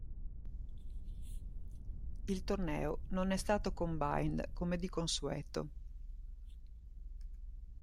Il torneo non è stato combined come di consueto.